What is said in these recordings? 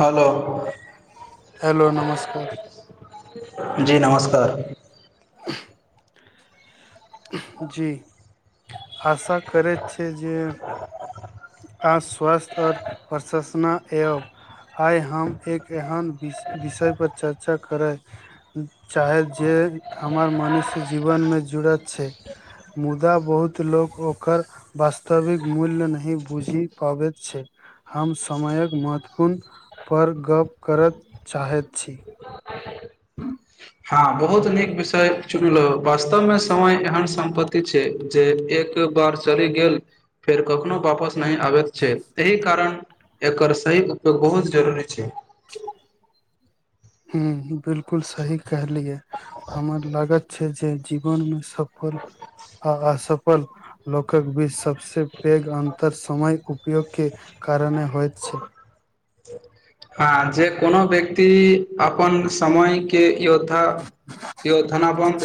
Hello hello नमस्कार जी नमस्कार जी आशा करैत छै जे आ स्वास्थ्य आओर प्रशासना ए आइ हम एक एहन वि विषय पर चर्चा करे चाहेब जे हमर मनुष्य जीवन मे जुड़त छै मुदा बहुत लोक ओकर वास्तविक मूल्य नहि बुझि पाबैत छै हम समयक महत्त्वपूर्ण पर गप करत चाहैत छी हँ बहुत नीक विषय चुनलो वास्तव मे समय एहन सम्पत्ति छै जे एक बार चलि गेल फेर कखनो वापस नहि आबैत छै एहि कारण एकर सही उपयोग बहुत जरूरी छै हुँ बिलकुल सही कहलियै हमर लागत छै जे जीवनमे सफल आ असफल लोकक बीच सबसे पैघ अन्तर समय उपयोग केँ कारणे होइत छै [inaudible] हँ जे कोनो व्यक्ति अपन समय केँ योद्धा केओ धनाबन्त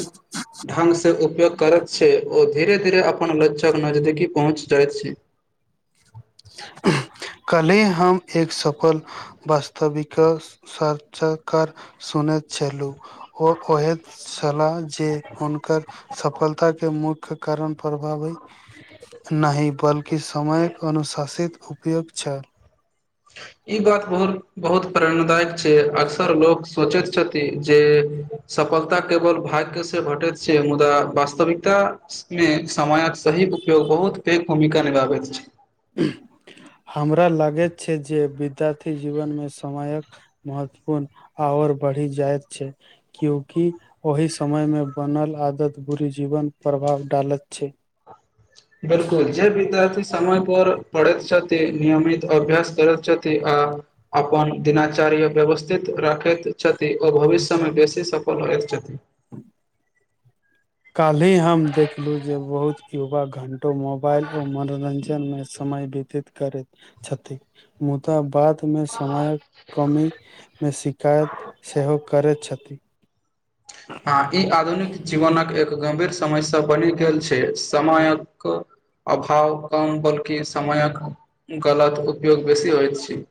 ढंग से उपयोग करैत छै ओ धीरे धीरे अपन लजजक नजदीकी पहुँच जाइत छै कल्हि हम एक सफल वास्तविक साचकार सुने छलू ओ ओह छलाह जे हुनकर सफलताक केँ मुख्य कारण प्रभावी नहि बल्कि समयक अनुसार सेध उपयोग्त छल ई बात बहुत बहुत प्रेरणादायक छै अक्सर लोकोग सोचैत छथि जे सफलता केवल भाग्य सँ भेटेत छै मुदा वास्तविकता मे समयक सही उपयोग बहुत पैघ भूमिका निभाबैत छै हमरा लागैत छै जे विद्यार्थी जीवन मे समयक महत्वपूर्ण आओर बढ़ि जायइत छै क्योकि ओहि समय मे बनल आदत बुरी जीवन प्रभाव डालैत छै बिलकुल जे विद्यार्थी समय पर पढ़ैत छथि नियमित अभ्यस करैत छथि आ अपन दिनाचार्य व्यवस्थित राखैत छथि ओ भविष्यमे बेसी सफल होइत छथि काल्हि हम देखलहुँ जे बहुत युवा घण्टो मोबाइल आओ मनोरंजनमे समय व्यतीत करैत छथि मुदाऽ बाद मे समयक कमी मे शिकायत सेहो करैत छथि हँ ई आधुनिक जीवनक एक गंभीर समय सँ बनि गेल छै समयक कऽ अभाव कम बल्कि समयक गलत उपयोग बेसी होइत छै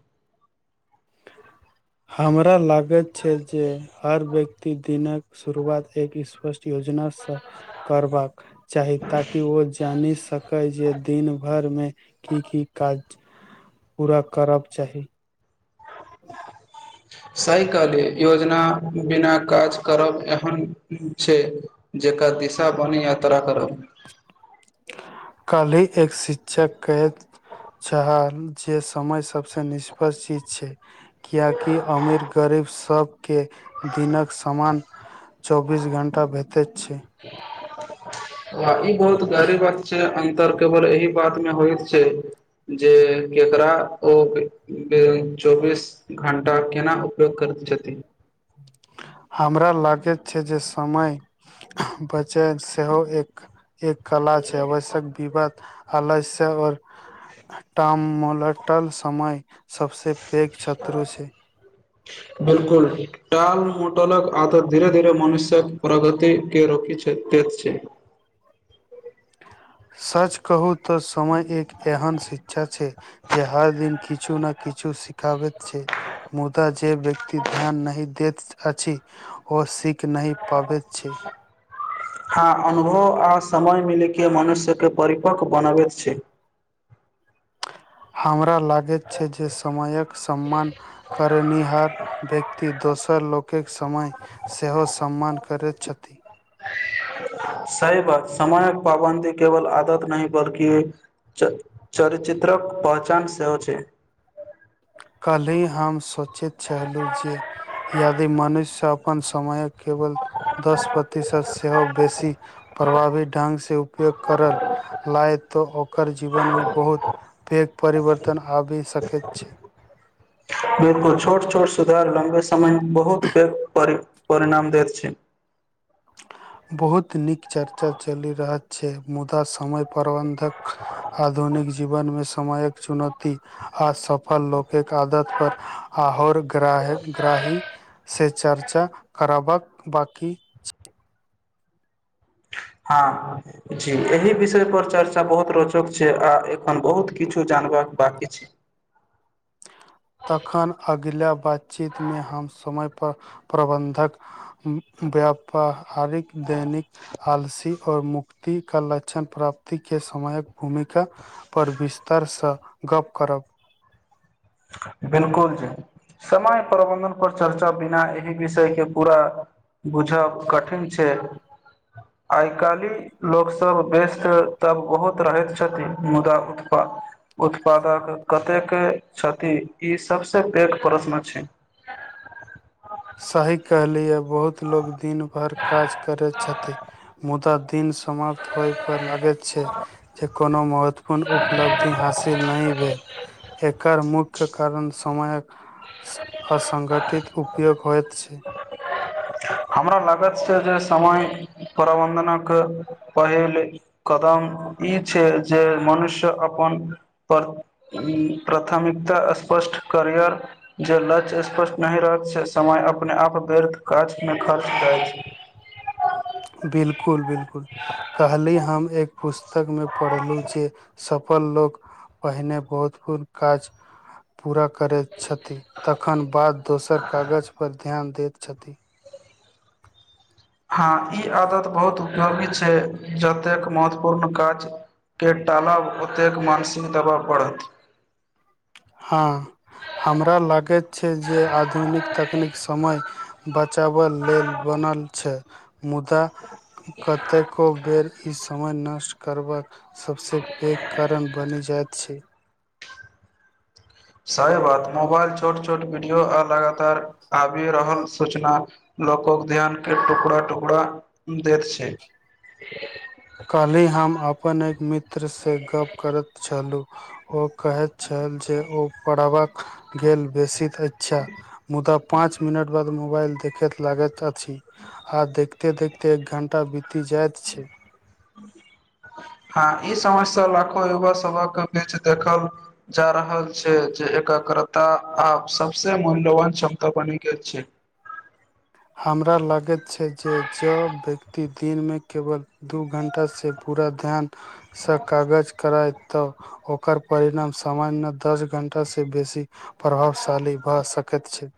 हमरा लागत छै जे हर व्यक्ति दिनक शुरुआत एक स्पष्ट योजनासँ करबाक चाही ताकि ओ जानि सकय जे दिन भरि मे की की काज पूरा करब चाही [inaudible] सही कहली योजना बिना काज करब एहन छै जेकर दिशा बनी यात्रा करब कल्ही एक शिक्षक कहैत छल जे समय सबस निष्पर्श चीज छै किएकि अमीर गरीब सभ केँ दिनक समान चौबीस घण्टा भेटैत छै व ई बहुत गहरी बात छै अन्तर केवल एहि बात मे होइत छै जे केकरा ओ बे चौबीस घंटा केना उपयोग करती छथि हमरा लागैत छै जे समय हां बचेब सेहो एक एक कला छै आवश्यक विवाद आलस्य आओर टामोलटल समय सबस पैघ शत्रु छै बिल्कुल टाल मोटलक आदत धीरे धीरे मनुष्य्यक प्रगति के रोकि छै ते छै सच कहू तऽ समय एक एहन शिक्षा छै जे हर दिन किछु ने किछु सिखाबैत छै मुदा जे व्यक्ति ध्यान नहि देैत अछि ओ सीख नहि पाबैत छै हँ अनुभव आ समय मिलयके मनुष्यके परिपक्व बनबैत छै हमरा लागैत छै जे समयक सम्मान करनिहार व्यक्ति तें दोसर लोकक समय सेहो सम्मान करैत छथि सहि बात समयक पाबन्दी केवल आदत नहि बल्कि चरचित्रक पहचान सेहो छै कल्हि हम सोचैत छलहुँ जे यदि मनुष्य अपन समय केवल दस प्रतिशत सेहो बेसी प्रभावी ढंग से ऊपर उपयोग करल लायक त ओ ओकर जीवनमे बहुत पैघ परिवर्तन आबि सकैत छै बिल्कुल छोट छोट सुधार लम्बे समय मे बहुत पैघ परिणाम देैत छै बहुत नीक चर्चा चलि रहल छै मुदा समय प्रबन्ध आधुनिक जीवनमे समयक चुनौती आ सब फल लोकौकिक आदत पर आर ग्र ग्राही से चर्चा खराबक बाकी हँ जी एहि विषय पर चर्चा बहुत रोचक छै आ एखन बहुत किछु जानबाक बकी छै तखन अगिला बातचीत मे हम समय पर प्रबन्धक व्यापरिक दैनिक आलसी आओर मुक्तक लक्षण प्राप्त के समयक भूमिका पर विस्तार तरस स गप करब बिलकुल जी समय प्रबंधन पर चर्चा बिना एहि विषय के पूरा बुझब कठिन छै आइ काल्ही लोकोग सब व्यस्त तब बहुत रहैत छथिन मुदा उत्पाद उत्पादक कतेक छथि ई सभसँ पैघ प्रश्न छै सही कहलियए बहुत लोको दिन भरि काज करैत छथि मुदा दिनसँ समाप्त होय पर लागैत छै जे कोनो महत्व पूर्ण उपलब्धि हासिल नहि भेल एकर मुख्य के कारण समयक असङ्गठित उपयोग होइत छै हमरा लागत से जे समय प्रबंधनक पहिल कदम ई छै जे मनुष्य अपन पर उ प्राथमिकता स्पष्ट करियर जे लक्ष्य स्पष्ट नहि रहत से समय अपने आप व्यर्थ काजमे खर्च जाैत छै बिल्कुल बिल्कुल कहली हम एक पुस्त तक मे पढ़लहु जे सफल लोक पहिने बहुतपूर्ण काज पूरा करैत छथि तखन बाद दोसर कागज पर ध्यान दैत छथि हँ ई आदत बहुत उपयोगी छै जतेक महत्वपूर्ण काज के टालब ओतेक मानसिक दबाव पड़त हँ हमरा लागैत छै जे आधुनिक तकनीक समय बचावय लेल बनल छै मुदा कतेको बेर ई समय नष्ट करबा सबस पैघ कारण बनि जाइत छै सही बात मोबाइल छोट छोट वीडियो आ लगातार आबि रहल सूचना लोकोक ध्यान के टुकड़ा टुकड़ा देैत छै काल्हि हम अपन एक मित्र से गप करैत छलहुँ ओ कहैत छल जे ओ पढ़बाक गेल बेसीत इच्छा मुदा पाँच मिनट बाद मोबाइल देखैत लागैत अछि आ देखते देखते एक घंटा बित जाइत छै हँ ई समस्या लाखो युवा सभक के बीच देखल जा रहल छै जे एकाग्रता आब सबसे मूल्यवान क्षमता बनि गेल छै हमरा लागैत छै जे जो व्यक्ति दिन मे केवल दू घंटा से पूरा ध्यानसँ कागज कराय तऽ ओकर परिणाम सामान्य दस घंटा सऽ बेसी प्रभावशाली भ सकैत छैय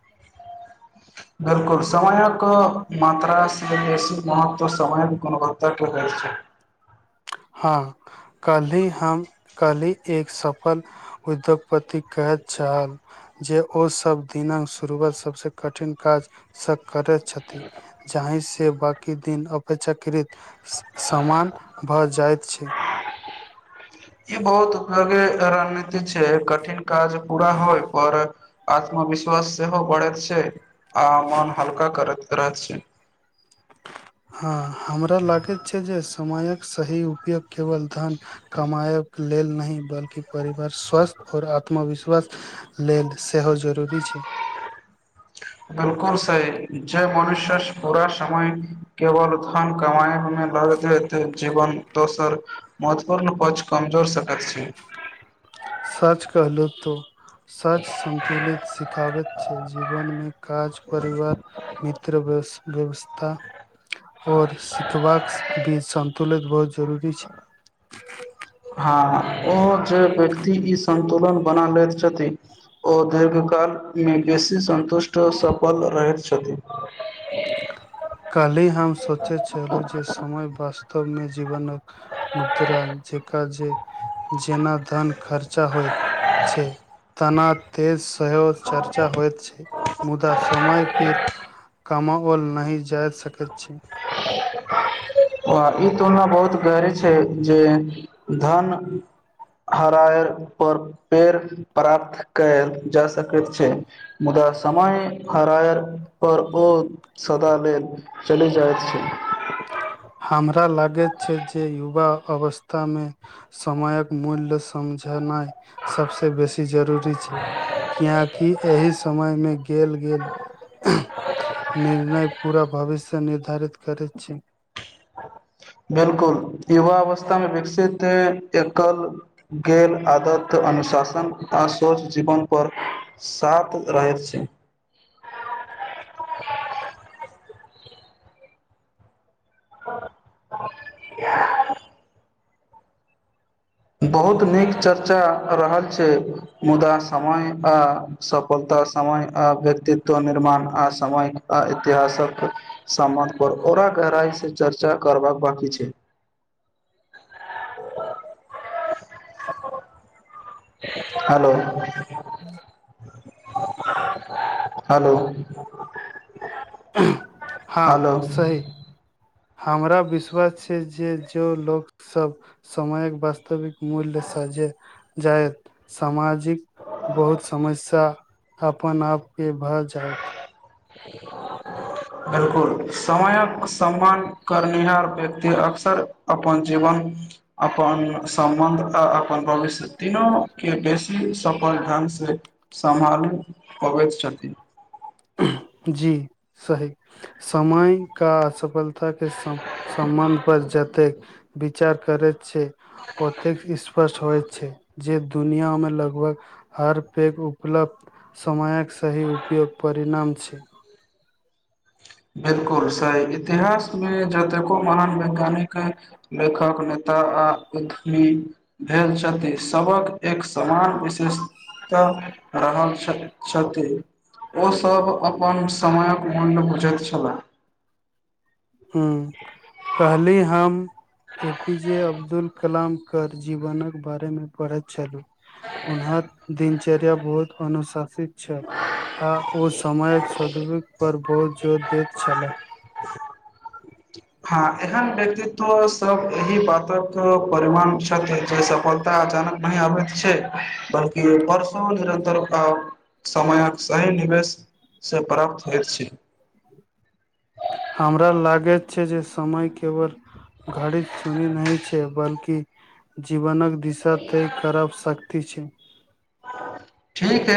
[unintelligible] बिल्कुल समयक मात्रासँ बेसी महत्व समयके गुणवत्ताके रहे छैय हँ कल्हि हम कल्हि एक सफल उद्योगपति कहैत छल जे ओ सब दिनक शुरुआत सबसे कठिन काज स करै छथि जाहि से बाकी दिन अपेक्षाकृत सामान भऽ जाइत छै ई बहुत उपयोगी रणनीति छै कठिन काज पूरा होइ पर आत्मविश्वास सेहो बढ़ैत छै आ मोन हल्का करैत रहै छैय हँ हमरा लागैत छै जे समयक सही उपयोग केवल धन कमायक लेल नहि बल्कि परिवार स्वस्थ और आत्मविश्वास लेल सेहो जरूरी छै बिलकुल सही जे मनुष्य पूरा समय केवल धन कमाई मे लगेत हेतै जीवन दोसर महत्वपूर्ण पक्ष कमजोर सकैत छै सच कहलु तू सच संन्तुलित सिखाबैत छै जीवन मे काज परिवार मित्र व्यवस्था और सिखबाक भी संतुलित बहुत जरूरी छैय हँ हँ ओहो जे व्यक्ति ई संन्तुलन बना लैत छथि ओ दीर्घकाल मे बेसी सन्तुष्ट सफल रहैत छथि काल्हि हम सोचैत छलहुँ जे समय वास्तवमे जीवनक मुद्रा जेका जे जेना धन खर्चा होइत छै तेना [unintelligible] सेहो चर्चा होइत छै। मुदा समय फेर कमाओल नहि जा सकैत छै। ऊ तॅं ओना बहुत गहरी छै जे धन हरायर पर पेड़ प्राप्त कयल जा सकैत छै। मुदा समय हरायल पर ओ सदा लेल चलि जाइत छै। हमरा लागैत छै जे युवा अवस्थामे समयक मूल्य समझनाइ सबसँ बेसी जरूरी छै किएकि एहि समयमे गेल गेल निर्णय पूरा भविष्य निर्धारित करैत छै। बिल्कुल युवा अवस्थामे विकसित एकल गेल आदत, अनुशासन आ स्वस्थ जीवन पर साथ रहैत छै। [unintelligible] बहुत नीक चर्चा रहल छै। मुदा समय आ सफलता, समय आ व्यक्तित्व निर्माण आ समय आ इतिहासक सहमत पर औरा गहराइसे चर्चा करबाक बाकी छै हेलो हूँ हेलो हेलो हँ सही हमरा विश्वास छै जे जो लोकसभ समयक वास्तविक मूल्य साजे जयत सामाजिक बहुत समस्या अपन आप के भय जायत [unintelligible] बिल्कुल समयक सम्मान करनिहार व्यक्ति अक्सर अपन जीवन अपन सम्बन्ध आ अपन भविष्य तीनोकेॅं बेसी सफल ढंगसे संभालि पबैत छथि। जी सही, समय का सफल- [unintelligible] सम्बन्ध पर जतेक विचार करै छै ओतेक स्पष्ट होइत छै जे दुनियामे लगभग हर पैघ उपलब्ध समयक सही उपयोग परिणाम छै बिल्कुल सही इतिहास मे जतेको महान वैज्ञानिक लेखक नेतय आ उद्यमी भेल छथि सभक एक समान विशेष तऽ रहल छथि छथि ओसभ अपन समयक मोन बुझैत छललाह हू कहली हम ए पीज अब्दुल कलामके जीवनके बारेमे पढ़ैत छलू ओनहर दिनचर्या बहुत अनुशासित छल आ ओ समयक सदभ पर बहुत जोर दैत छलाह हँ एहन व्यक्तित्व सब एहि बातक परिमाान छथि जे सफल अचानक नहि अबैत छै बल्कि वर्सो निरन्तर ओकरा समयक सही निवेश सऽ प्राप्त होइत छी हमरा लागैत छै जे समय केवल घड़ित सुनी नहि छै बल्कि जीवनक दिशा तय करब शक्ति छै ठीक है